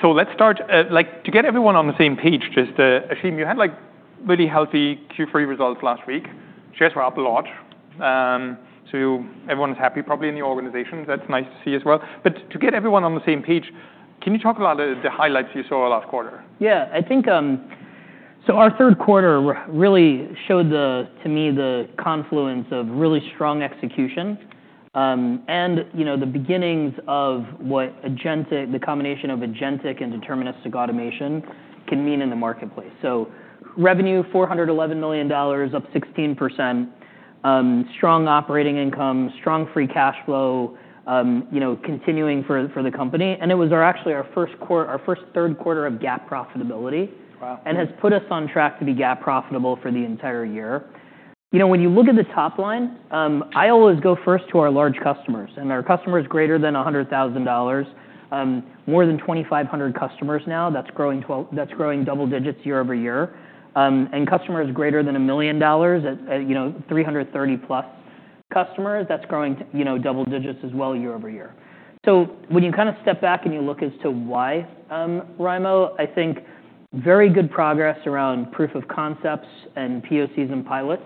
So let's start, like, to get everyone on the same page, just, Ashim, you had, like, really healthy Q3 results last week. Shares were up a lot. So everyone was happy, probably, in the organization. That's nice to see as well. But to get everyone on the same page, can you talk about the highlights you saw last quarter? Yeah. I think so our third quarter really showed the, to me, the confluence of really strong execution, and, you know, the beginnings of what agentic, the combination of agentic and deterministic automation can mean in the marketplace. So revenue, $411 million, up 16%. Strong operating income, strong free cash flow, you know, continuing for the company. And it was actually our first third quarter of GAAP profitability. Wow. And has put us on track to be GAAP profitable for the entire year. You know, when you look at the top line, I always go first to our large customers. And our customers greater than $100,000, more than 2,500 customers now. That's growing double digits year over year. And customers greater than $1 million, you know, 330+ customers. That's growing, you know, double digits as well year over year. So when you kinda step back and you look as to why, Raimo, I think very good progress around proof of concepts and POCs and pilots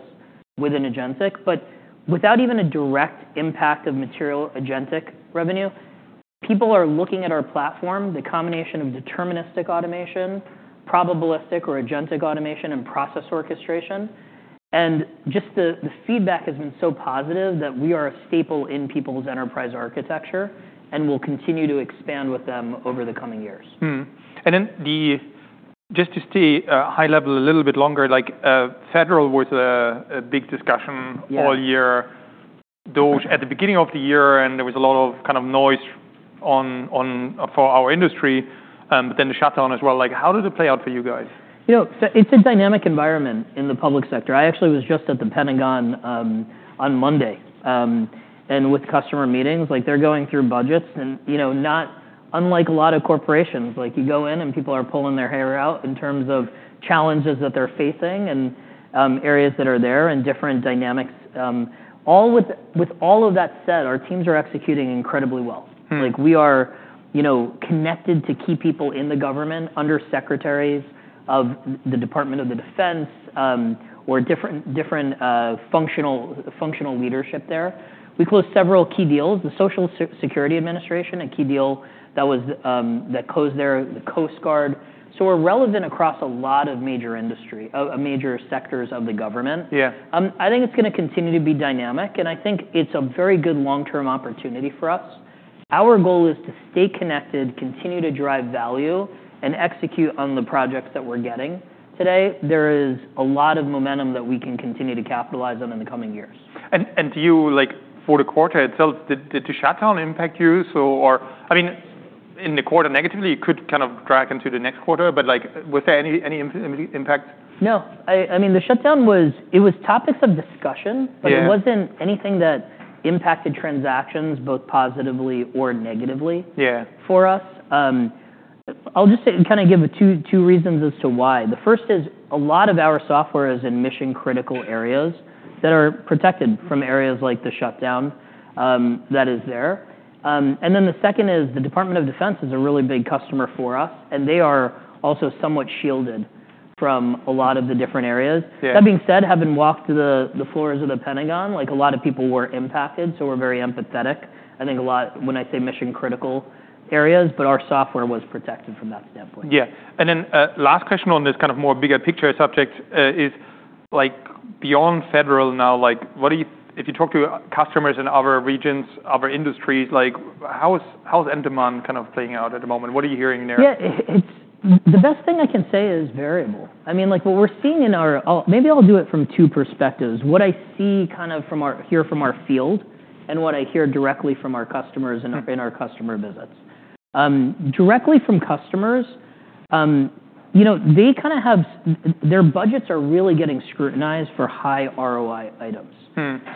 within agentic. But without even a direct impact of material agentic revenue, people are looking at our platform, the combination of deterministic automation, probabilistic or agentic automation, and process orchestration. And just the feedback has been so positive that we are a staple in people's enterprise architecture and will continue to expand with them over the coming years. And then, just to stay high level a little bit longer, like, federal was a big discussion? Yes. All year. Yeah. DOGE at the beginning of the year, and there was a lot of kind of noise on for our industry, but then the shutdown as well, like, how did it play out for you guys? You know, so it's a dynamic environment in the public sector. I actually was just at the Pentagon on Monday, and with customer meetings, like, they're going through budgets and, you know, not unlike a lot of corporations, like, you go in and people are pulling their hair out in terms of challenges that they're facing and areas that are there and different dynamics. With all of that said, our teams are executing incredibly well. Like, we are, you know, connected to key people in the government, Under Secretaries of the Department of Defense, or different functional leadership there. We closed several key deals, the Social Security Administration, a key deal that closed the Coast Guard. So we're relevant across a lot of major industry, major sectors of the government. Yeah. I think it's gonna continue to be dynamic, and I think it's a very good long-term opportunity for us. Our goal is to stay connected, continue to drive value, and execute on the projects that we're getting. Today, there is a lot of momentum that we can continue to capitalize on in the coming years. Do you, like, for the quarter itself, did the shutdown impact you? I mean, in the quarter negatively, it could kind of drag into the next quarter, but, like, was there any impact? No. I mean, the shutdown was. It was topics of discussion. Yeah. But it wasn't anything that impacted transactions, both positively or negatively. Yeah. For us. I'll just say, kinda give two reasons as to why. The first is a lot of our software is in mission-critical areas that are protected from areas like the shutdown that is there, and then the second is the Department of Defense is a really big customer for us, and they are also somewhat shielded from a lot of the different areas. Yeah. That being said, having walked the floors of The Pentagon, like, a lot of people were impacted, so we're very empathetic. I think a lot, when I say mission-critical areas, but our software was protected from that standpoint. Yeah. And then, last question on this kind of more bigger picture subject, is, like, beyond federal now, like, what do you, if you talk to customers in other regions, other industries, like, how's demand kind of playing out at the moment? What are you hearing there? Yeah. It's the best thing I can say is variable. I mean, like, what we're seeing. Maybe I'll do it from two perspectives. What I see kind of from our field and what I hear directly from our customers in our customer visits. Directly from customers, you know, they kinda have their budgets are really getting scrutinized for high ROI items,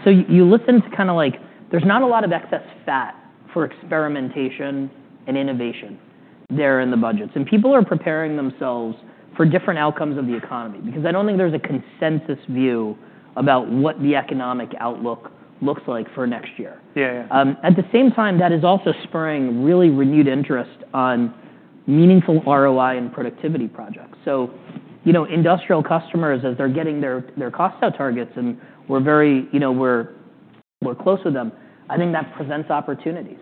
so you listen to kinda like, there's not a lot of excess fat for experimentation and innovation there in the budgets, and people are preparing themselves for different outcomes of the economy because I don't think there's a consensus view about what the economic outlook looks like for next year. Yeah. Yeah. At the same time, that is also spurring really renewed interest on meaningful ROI and productivity projects. So, you know, industrial customers, as they're getting their cost out targets and we're very, you know, we're close with them, I think that presents opportunities.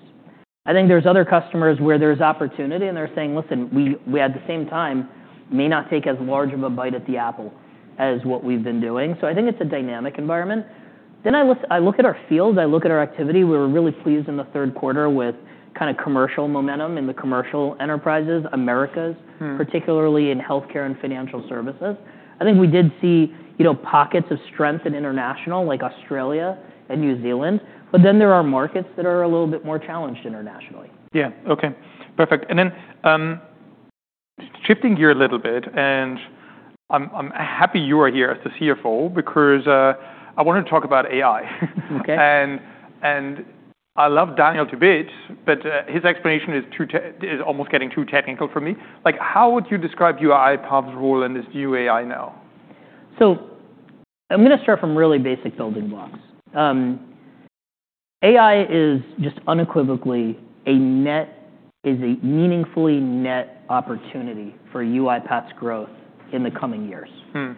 I think there's other customers where there's opportunity and they're saying, "Listen, we at the same time may not take as large of a bite at the apple as what we've been doing." So I think it's a dynamic environment. Then I look at our field, I look at our activity. We were really pleased in the third quarter with kinda commercial momentum in the commercial enterprises, Americas. Particularly in healthcare and financial services. I think we did see, you know, pockets of strength in international, like Australia and New Zealand. But then there are markets that are a little bit more challenged internationally. Yeah. Okay. Perfect. And then, shifting gear a little bit, and I'm happy you are here as the CFO because I wanted to talk about AI. Okay. I love Daniel to bits, but his explanation is too, it is almost getting too technical for me. Like, how would you describe UiPath's role in this new AI now? I'm gonna start from really basic building blocks. AI is just unequivocally a meaningfully net opportunity for UiPath's growth in the coming years. I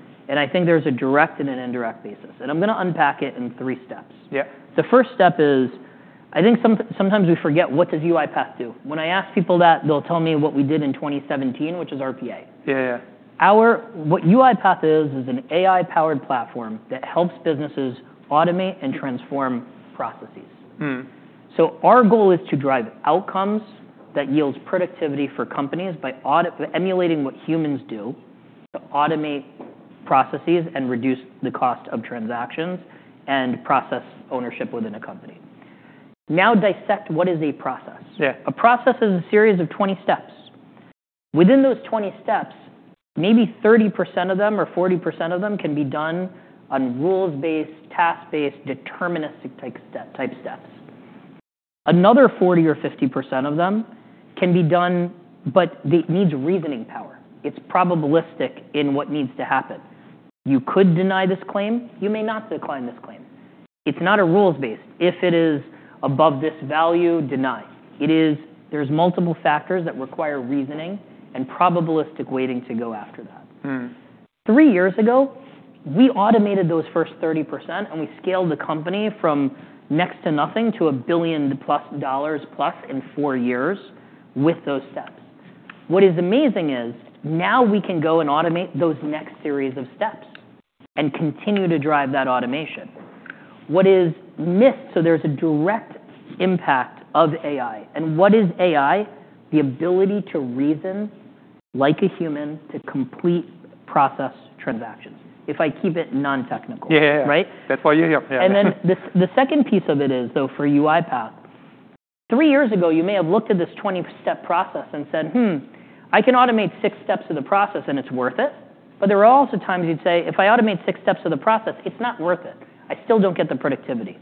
think there's a direct and an indirect basis. I'm gonna unpack it in three steps. Yeah. The first step is, I think, sometimes we forget what does UiPath do. When I ask people that, they'll tell me what we did in 2017, which is RPA. Yeah. Yeah. What UiPath is, is an AI-powered platform that helps businesses automate and transform processes. So our goal is to drive outcomes that yields productivity for companies by audit, by emulating what humans do to automate processes and reduce the cost of transactions and process ownership within a company. Now dissect what is a process. Yeah. A process is a series of 20 steps. Within those 20 steps, maybe 30% of them or 40% of them can be done on rules-based, task-based, deterministic type steps. Another 40% or 50% of them can be done, but it needs reasoning power. It's probabilistic in what needs to happen. You could deny this claim. You may not decline this claim. It's not a rules-based. If it is above this value, deny. It is. There's multiple factors that require reasoning and probabilistic weighting to go after that. Three years ago, we automated those first 30% and we scaled the company from next to nothing to $1 billion+ in four years with those steps. What is amazing is now we can go and automate those next series of steps and continue to drive that automation. What is missed, so there's a direct impact of AI. And what is AI? The ability to reason like a human to complete process transactions, if I keep it non-technical. Yeah. Yeah. Right? That's why you're here. Yeah. And then the second piece of it is, though, for UiPath, three years ago, you may have looked at this 20-step process and said, "I can automate six steps of the process and it's worth it." But there are also times you'd say, "If I automate six steps of the process, it's not worth it. I still don't get the productivity.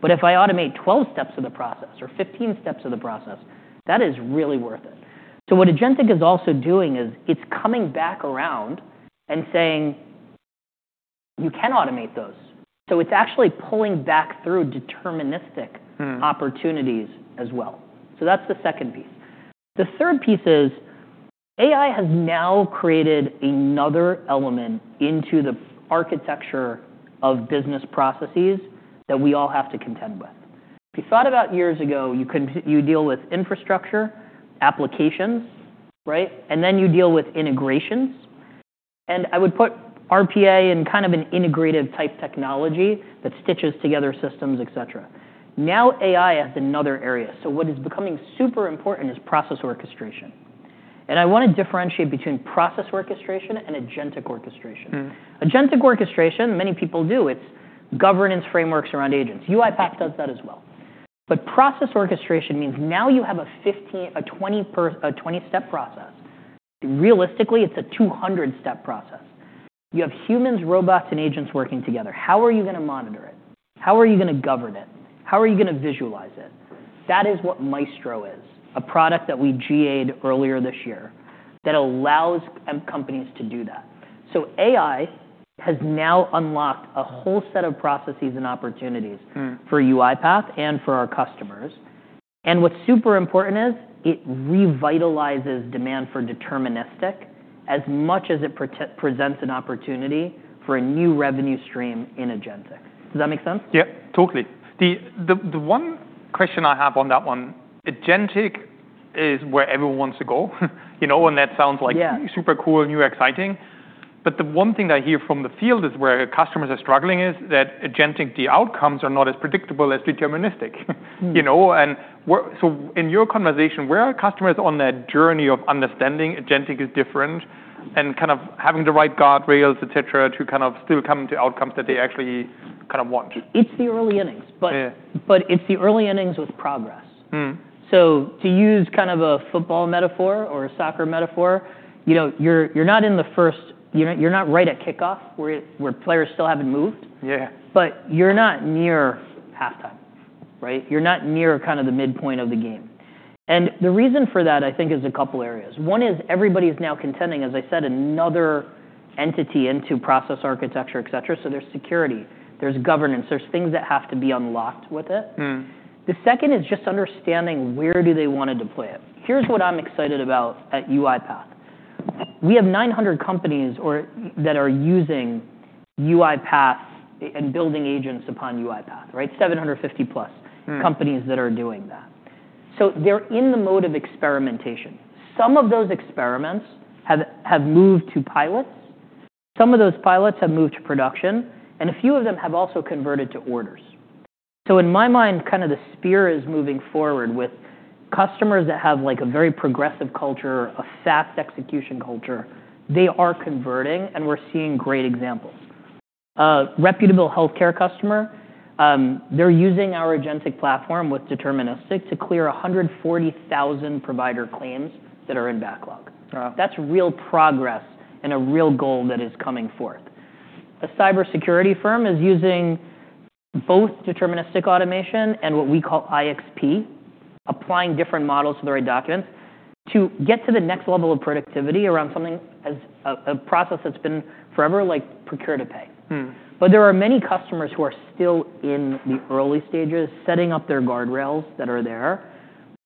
But if I automate 12 steps of the process or 15 steps of the process, that is really worth it." So what agentic is also doing is it's coming back around and saying, "You can automate those." So it's actually pulling back through deterministic opportunities as well. So that's the second piece. The third piece is AI has now created another element into the architecture of business processes that we all have to contend with. If you thought about years ago, you couldn't. You deal with infrastructure, applications, right? And then you deal with integrations. And I would put RPA in kind of an integrative type technology that stitches together systems, etc. Now AI has another area. So what is becoming super important is process orchestration. And I wanna differentiate between process orchestration and agentic orchestration. Agentic orchestration, many people do. It's governance frameworks around agents. UiPath does that as well. But process orchestration means now you have a 15- or 20-step process. Realistically, it's a 200-step process. You have humans, robots, and agents working together. How are you gonna monitor it? How are you gonna govern it? How are you gonna visualize it? That is what Maestro is, a product that we GA'd earlier this year that allows many companies to do that. So AI has now unlocked a whole set of processes and opportunities. For UiPath and for our customers. And what's super important is it revitalizes demand for deterministic as much as it presents an opportunity for a new revenue stream in agentic. Does that make sense? Yeah. Totally. The one question I have on that one, agentic is where everyone wants to go, you know, and that sounds like. Yeah. Super cool and new and exciting, but the one thing that I hear from the field is where customers are struggling is that agentic, the outcomes are not as predictable as deterministic, you know, so in your conversation, where are customers on that journey of understanding agentic is different and kind of having the right guardrails, etc., to kind of still come to outcomes that they actually kind of want? It's the early innings, but. Yeah. But it's the early innings with progress, so to use kind of a football metaphor or a soccer metaphor, you know, you're not in the first. You're not right at kickoff where players still haven't moved. Yeah. But you're not near halftime, right? You're not near kind of the midpoint of the game. And the reason for that, I think, is a couple areas. One is everybody's now contending, as I said, another entity into process architecture, etc. So there's security, there's governance, there's things that have to be unlocked with it. The second is just understanding where do they wanna deploy it? Here's what I'm excited about at UiPath. We have 900 companies or that are using UiPath and building agents upon UiPath, right? 750+ companies that are doing that. So they're in the mode of experimentation. Some of those experiments have moved to pilots. Some of those pilots have moved to production, and a few of them have also converted to orders. So in my mind, kinda the sphere is moving forward with customers that have, like, a very progressive culture, a fast execution culture. They are converting, and we're seeing great examples. Reputable healthcare customer, they're using our agentic platform with deterministic to clear 140,000 provider claims that are in backlog. Wow. That's real progress and a real goal that is coming forth. A cybersecurity firm is using both deterministic automation and what we call IXP, applying different models to the right documents to get to the next level of productivity around something as a process that's been forever, like, procure to pay. But there are many customers who are still in the early stages setting up their guardrails that are there.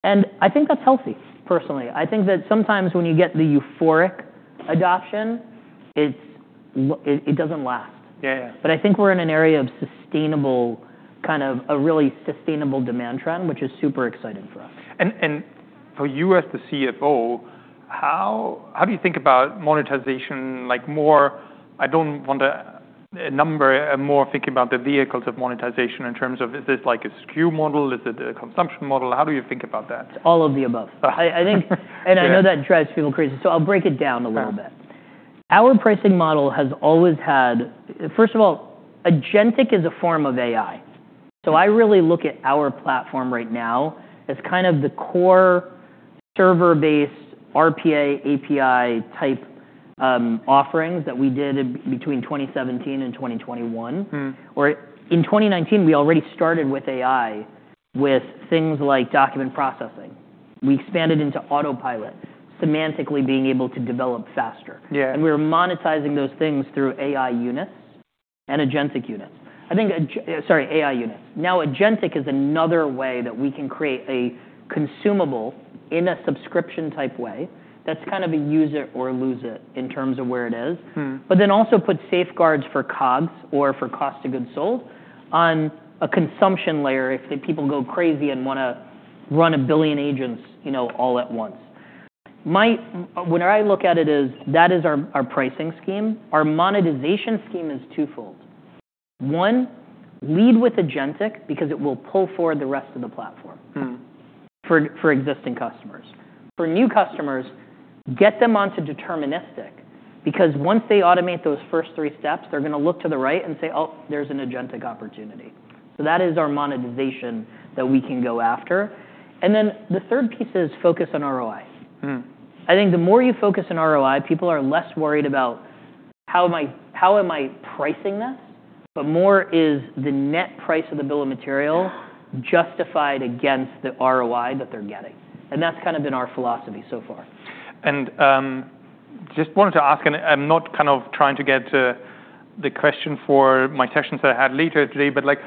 And I think that's healthy, personally. I think that sometimes when you get the euphoric adoption, it doesn't last. Yeah. Yeah. But I think we're in an area of sustainable, kind of a really sustainable demand trend, which is super exciting for us. For you as the CFO, how do you think about monetization, like, more? I don't want a number, more thinking about the vehicles of monetization in terms of, is this like a SKU model? Is it a consumption model? How do you think about that? It's all of the above. I think, and I know that drives people crazy. So I'll break it down a little bit. Yeah. Our pricing model has always had, first of all, Agentic is a form of AI. So I really look at our platform right now as kind of the core server-based RPA API type offerings that we did between 2017 and 2021 or in 2019, we already started with AI with things like document processing. We expanded into Autopilot, semantically being able to develop faster. Yeah. And we were monetizing those things through AI Units and Agentic Units. I think, sorry, AI Units. Now Agentic is another way that we can create a consumable in a subscription type way that's kind of a use it or lose it in terms of where it is. But then also put safeguards for COGS or for cost of goods sold on a consumption layer if the people go crazy and wanna run a billion agents, you know, all at once. My, when I look at it, is that our pricing scheme. Our monetization scheme is twofold. One, lead with Agentic because it will pull forward the rest of the platform. For existing customers. For new customers, get them onto deterministic because once they automate those first three steps, they're gonna look to the right and say, "Oh, there's an agentic opportunity," so that is our monetization that we can go after, and then the third piece is focus on ROI. I think the more you focus on ROI, people are less worried about how am I, how am I pricing this, but more is the net price of the bill of material justified against the ROI that they're getting, and that's kind of been our philosophy so far. Just wanted to ask, and I'm not kind of trying to get the question for my sessions that I had later today, but like,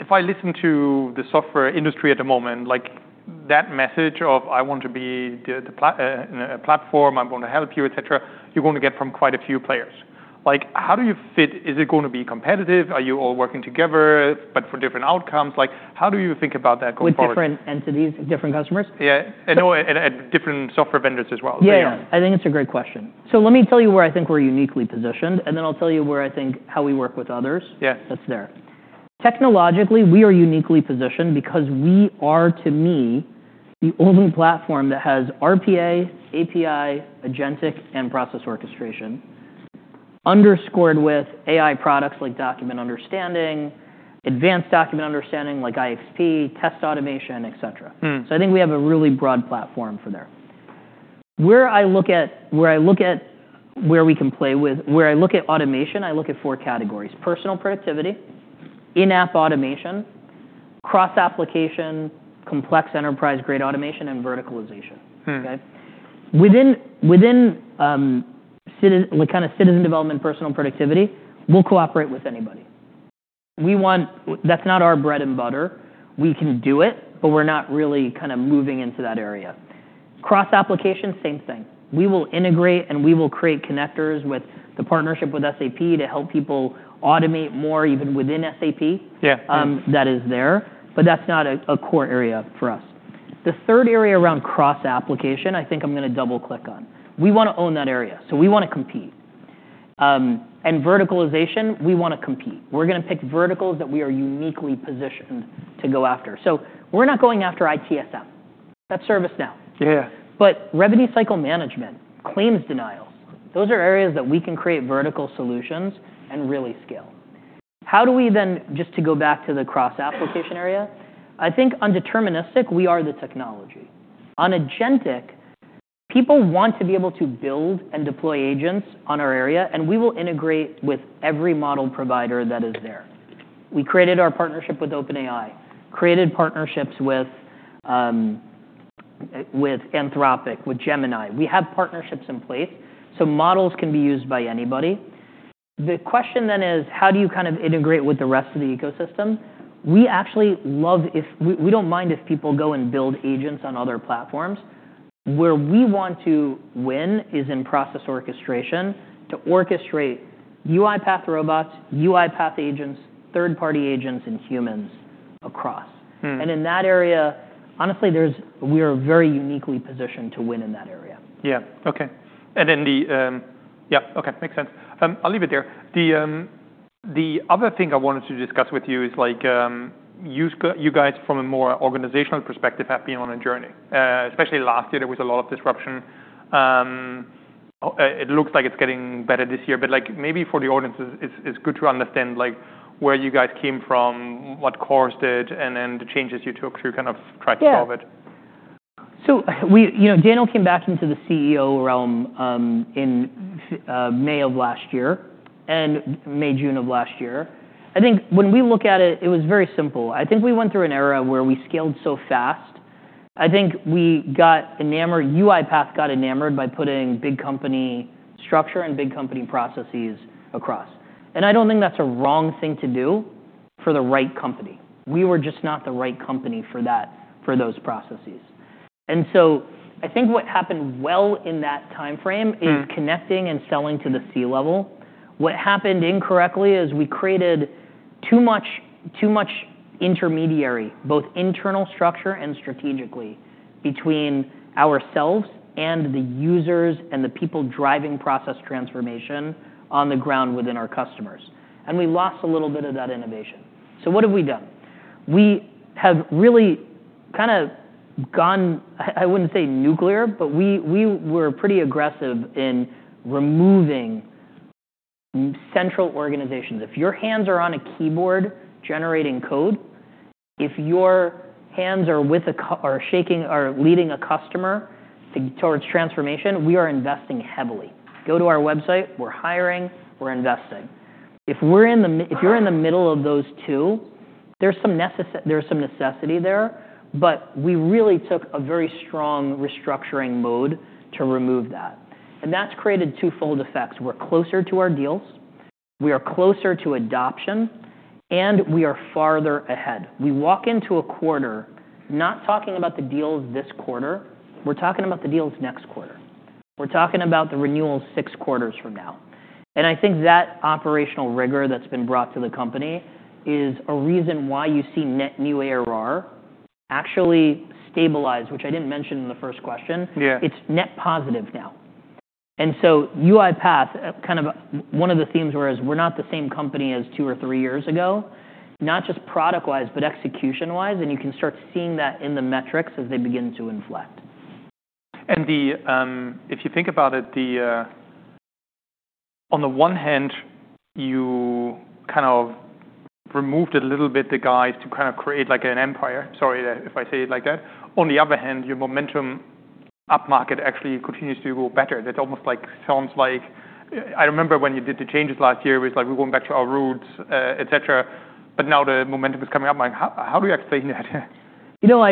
if I listen to the software industry at the moment, like, that message of, "I want to be the platform, I wanna help you," etc., you're gonna get from quite a few players. Like, how do you fit? Is it gonna be competitive? Are you all working together, but for different outcomes? Like, how do you think about that going forward? With different entities, different customers? Yeah. And different software vendors as well. Yeah. Yeah. I think it's a great question. So let me tell you where I think we're uniquely positioned, and then I'll tell you where I think how we work with others. Yeah. That's there. Technologically, we are uniquely positioned because we are, to me, the only platform that has RPA, API, agentic, and process orchestration, underscored with AI products like document understanding, advanced document understanding like IDP, test automation, etc. So I think we have a really broad platform for there. Where I look at where we can play with automation, I look at four categories: personal productivity, in-app automation, cross-application, complex enterprise-grade automation, and verticalization. Okay? Within citizen-like kinda citizen development, personal productivity, we'll cooperate with anybody. We want, that's not our bread and butter. We can do it, but we're not really kinda moving into that area. Cross-application, same thing. We will integrate and we will create connectors with the partnership with SAP to help people automate more even within SAP. Yeah. that is there, but that's not a core area for us. The third area around cross-application, I think I'm gonna double-click on. We wanna own that area, so we wanna compete, and verticalization, we wanna compete. We're gonna pick verticals that we are uniquely positioned to go after. So we're not going after ITSM. That's ServiceNow. Yeah. But revenue cycle management, claims denials, those are areas that we can create vertical solutions and really scale. How do we then, just to go back to the cross-application area? I think on deterministic, we are the technology. On agentic, people want to be able to build and deploy agents on our area, and we will integrate with every model provider that is there. We created our partnership with OpenAI, created partnerships with Anthropic, with Gemini. We have partnerships in place, so models can be used by anybody. The question then is, how do you kind of integrate with the rest of the ecosystem? We actually love if we don't mind if people go and build agents on other platforms. Where we want to win is in process orchestration to orchestrate UiPath robots, UiPath agents, third-party agents, and humans across. In that area, honestly, we are very uniquely positioned to win in that area. Yeah. Okay. And then, yeah. Okay. Makes sense. I'll leave it there. The other thing I wanted to discuss with you is, like, you guys from a more organizational perspective have been on a journey. Especially last year, there was a lot of disruption. It looks like it's getting better this year, but like, maybe for the audience, it's good to understand, like, where you guys came from, what caused it, and then the changes you took to kind of try to solve it. Yeah. So, you know, Daniel came back into the CEO realm in May of last year and May, June of last year. I think when we look at it, it was very simple. I think we went through an era where we scaled so fast. I think we got enamored, UiPath got enamored by putting big company structure and big company processes across. And I don't think that's a wrong thing to do for the right company. We were just not the right company for that, for those processes. And so I think what happened well in that timeframe is connecting and selling to the C-level. What happened incorrectly is we created too much, too much intermediary, both internal structure and strategically, between ourselves and the users and the people driving process transformation on the ground within our customers. And we lost a little bit of that innovation. So what have we done? We have really kinda gone. I wouldn't say nuclear, but we were pretty aggressive in removing central organizations. If your hands are on a keyboard generating code, if your hands are with a CEO or shaking or leading a customer towards transformation, we are investing heavily. Go to our website. We're hiring. We're investing. If you're in the middle of those two, there's some necessity there, but we really took a very strong restructuring mode to remove that. And that's created twofold effects. We're closer to our deals. We are closer to adoption, and we are farther ahead. We walk into a quarter not talking about the deals this quarter. We're talking about the deals next quarter. We're talking about the renewals six quarters from now. And I think that operational rigor that's been brought to the company is a reason why you see Net New ARR actually stabilize, which I didn't mention in the first question. Yeah. It's net positive now, and so UiPath, kind of one of the themes whereas we're not the same company as two or three years ago, not just product-wise, but execution-wise, and you can start seeing that in the metrics as they begin to inflect. If you think about it, on the one hand, you kind of removed a little bit the guys to kinda create like an empire. Sorry if I say it like that. On the other hand, your momentum upmarket actually continues to go better. That's almost like sounds like, I remember when you did the changes last year, it was like, "We're going back to our roots," etc., but now the momentum is coming up. Like, how do you explain that? You know,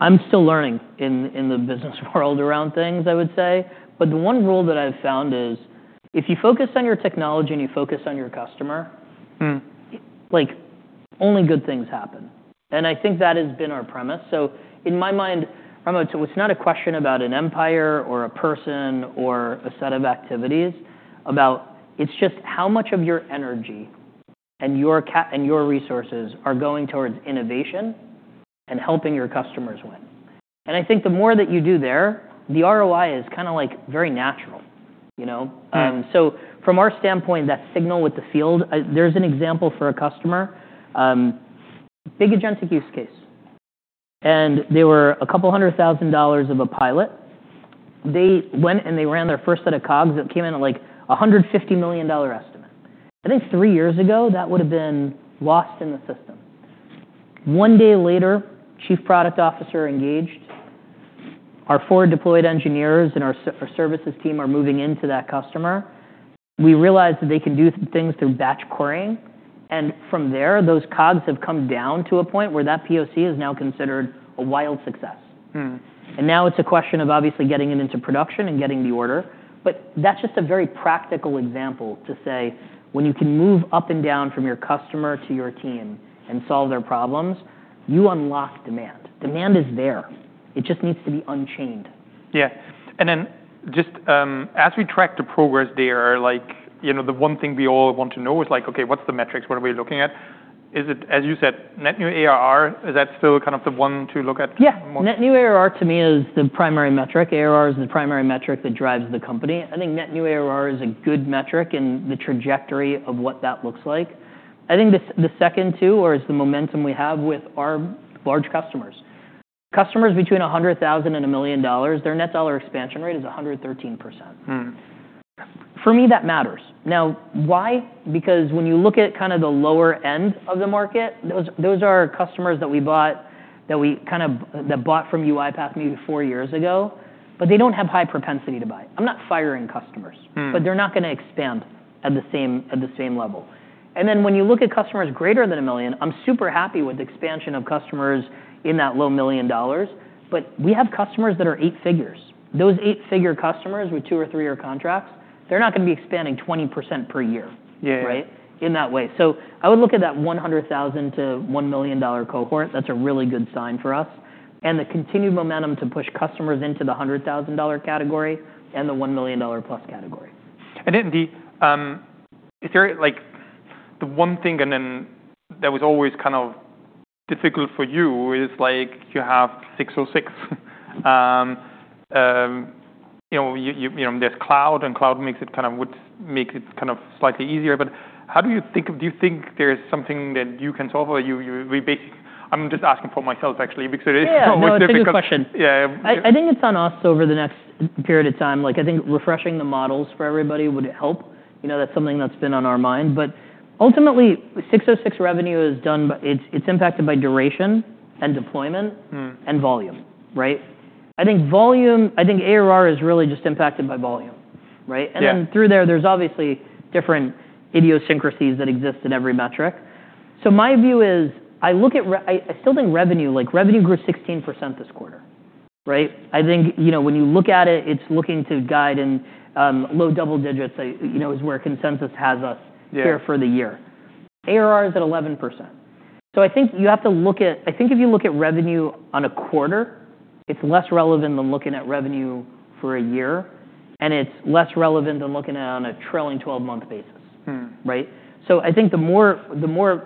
I'm still learning in the business world around things, I would say. But the one rule that I've found is if you focus on your technology and you focus on your customer. Like, only good things happen. And I think that has been our premise. So in my mind, remember, it's not a question about an empire or a person or a set of activities about. It's just how much of your energy and your capital and your resources are going towards innovation and helping your customers win. And I think the more that you do there, the ROI is kinda like very natural, you know? So from our standpoint, that deal with the field, there's an example for a customer, big agentic use case. And there were $200,000 of a pilot. They went and they ran their first set of COGS that came in at like a $150 million estimate. I think three years ago, that would've been lost in the system. One day later, Chief Product Officer engaged. Our four deployed engineers and our services team are moving into that customer. We realized that they can do things through batch querying, and from there, those COGS have come down to a point where that POC is now considered a wild success, and now it's a question of obviously getting it into production and getting the order, but that's just a very practical example to say when you can move up and down from your customer to your team and solve their problems, you unlock demand. Demand is there. It just needs to be unchained. Yeah. And then just, as we track the progress there, like, you know, the one thing we all want to know is like, "Okay, what's the metrics? What are we looking at?" Is it, as you said, net new ARR, is that still kind of the one to look at? Yeah. Net new ARR to me is the primary metric. ARR is the primary metric that drives the company. I think net new ARR is a good metric in the trajectory of what that looks like. I think the second, too, or is the momentum we have with our large customers. Customers between $100,000 and $1 million, their net dollar expansion rate is 113%. For me, that matters. Now, why? Because when you look at kinda the lower end of the market, those are customers that we bought, that we kinda bought from UiPath maybe four years ago, but they don't have high propensity to buy. I'm not firing customers. But they're not gonna expand at the same level. And then, when you look at customers greater than $1 million, I'm super happy with the expansion of customers in that low $1 million, but we have customers that are eight figures. Those eight-figure customers with two- or three-year contracts, they're not gonna be expanding 20% per year. Yeah. Right? In that way. So I would look at that $100,000-$1 million cohort. That's a really good sign for us. And the continued momentum to push customers into the $100,000 category and the $1 million+ category. Is there like the one thing, and then that was always kind of difficult for you? Like you have six, you know, there's cloud, and cloud makes it kind of would make it kind of slightly easier. But how do you think of, do you think there's something that you can solve or you, we basically. I'm just asking for myself actually because it is so much difficult. Yeah. That's a good question. Yeah. I think it's on us over the next period of time. Like, I think refreshing the models for everybody would help. You know, that's something that's been on our mind. But ultimately, ASC 606 revenue is done by, it's impacted by duration and deployment. And volume, right? I think volume, I think ARR is really just impacted by volume, right? Yeah. Through there, there's obviously different idiosyncrasies that exist in every metric. My view is, I look at ARR. I still think revenue, like revenue grew 16% this quarter, right? I think, you know, when you look at it, it's looking to guide in low double digits, you know, is where consensus has us. Yeah. Here for the year. ARR is at 11%. So I think you have to look at, I think if you look at revenue on a quarter, it's less relevant than looking at revenue for a year, and it's less relevant than looking at it on a trailing 12-month basis. Right? So I think the more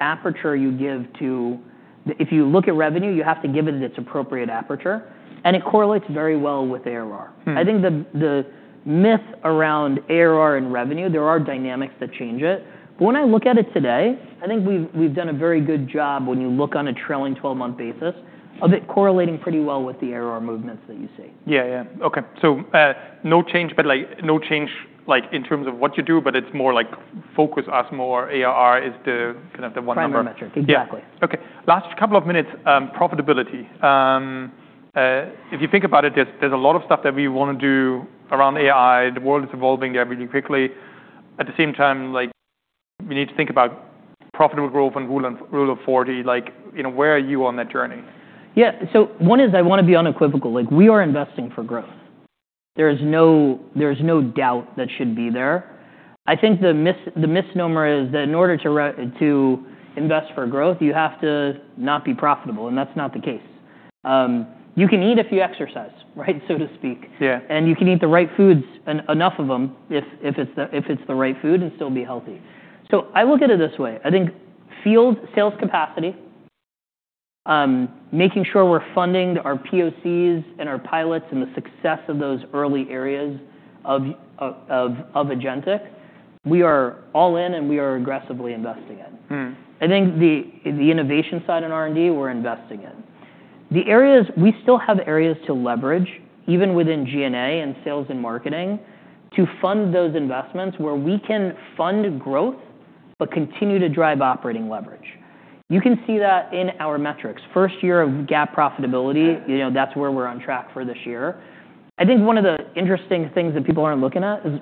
aperture you give to the, if you look at revenue, you have to give it its appropriate aperture, and it correlates very well with ARR. I think the myth around ARR and revenue, there are dynamics that change it. But when I look at it today, I think we've done a very good job when you look on a trailing 12-month basis of it correlating pretty well with the ARR movements that you see. Yeah. Okay. So, no change, but like no change, like in terms of what you do, but it's more like focus us more. ARR is the kind of the one number. Primary metric. Exactly. Yeah. Okay. Last couple of minutes, profitability. If you think about it, there's a lot of stuff that we wanna do around AI. The world is evolving every day quickly. At the same time, like, we need to think about profitable growth and Rule of 40. Like, you know, where are you on that journey? Yeah. So one is I wanna be unequivocal. Like, we are investing for growth. There is no, there is no doubt that should be there. I think the misnomer is that in order to invest for growth, you have to not be profitable, and that's not the case. You can eat if you exercise, right, so to speak. Yeah. And you can eat the right foods and enough of them if it's the right food and still be healthy. So I look at it this way. I think field sales capacity, making sure we're funding our POCs and our pilots and the success of those early areas of agentic. We are all in, and we are aggressively investing in. I think the innovation side in R&D, we're investing in. We still have areas to leverage, even within G&A and sales and marketing, to fund those investments where we can fund growth but continue to drive operating leverage. You can see that in our metrics. First year of GAAP profitability, you know, that's where we're on track for this year. I think one of the interesting things that people aren't looking at is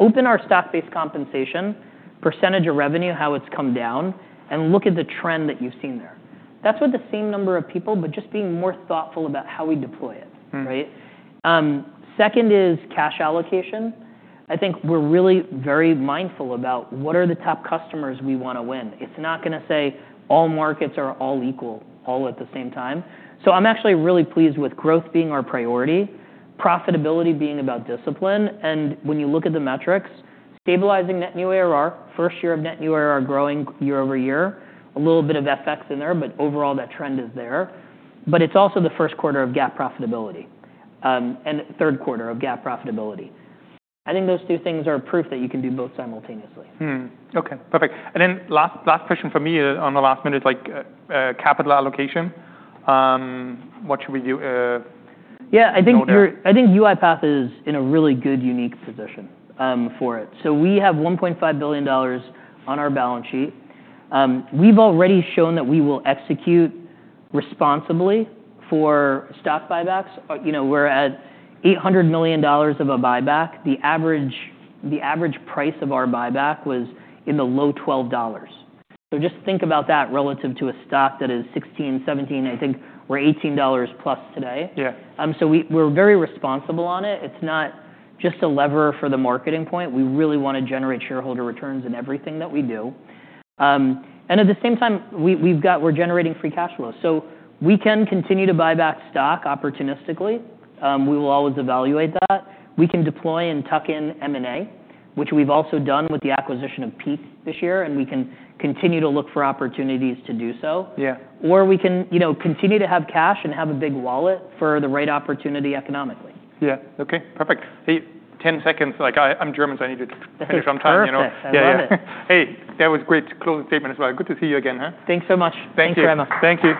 our Stock-Based Compensation percentage of revenue, how it's come down, and look at the trend that you've seen there. That's with the same number of people, but just being more thoughtful about how we deploy it, right? Second is cash allocation. I think we're really very mindful about what are the top customers we wanna win. It's not gonna say all markets are all equal all at the same time, so I'm actually really pleased with growth being our priority, profitability being about discipline, and when you look at the metrics, stabilizing Net New ARR, first year of Net New ARR growing year over year, a little bit of FX in there, but overall that trend is there, but it's also the first quarter of GAAP profitability, and third quarter of GAAP profitability. I think those two things are proof that you can do both simultaneously. Okay. Perfect. And then last question for me on the last minute, like, capital allocation. What should we do? Yeah. I think UiPath is in a really good, unique position for it. So we have $1.5 billion on our balance sheet. We've already shown that we will execute responsibly for stock buybacks. You know, we're at $800 million of a buyback. The average price of our buyback was in the low $12. So just think about that relative to a stock that is 16, 17. I think we're $18+ today. Yeah. So we're very responsible on it. It's not just a lever for the marketing point. We really wanna generate shareholder returns in everything that we do, and at the same time, we're generating free cash flow, so we can continue to buy back stock opportunistically. We will always evaluate that. We can deploy and tuck in M&A, which we've also done with the acquisition of Peak this year, and we can continue to look for opportunities to do so. Yeah. Or we can, you know, continue to have cash and have a big wallet for the right opportunity economically. Yeah. Okay. Perfect. Hey, 10 seconds. Like, I'm German, so I need to finish on time, you know? That's fine. Yeah. Love it. Hey, that was great closing statement as well. Good to see you again, huh? Thanks so much. Thank you. Thanks very much. Thank you.